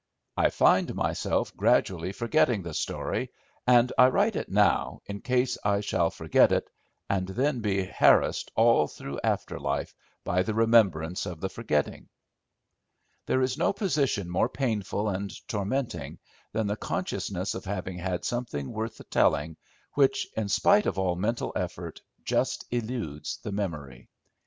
I find myself gradually forgetting the story and I write it now in case I shall forget it, and then be harassed all through after life by the remembrance of the forgetting. There is no position more painful and tormenting than the consciousness of having had something worth the telling, which, in spite of all mental effort, just eludes the memory.